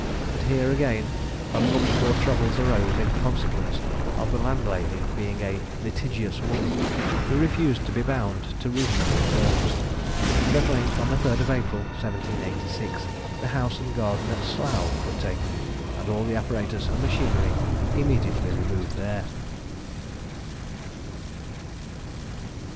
But here again unlooked for troubles arose in consequence of the landlady being a "litigious woman," who refused to be bound to reasonable terms, and at length, on the 3rd of April, 1786, the house and garden at SLOUGH were taken, and all the apparatus and machinery immediately removed there.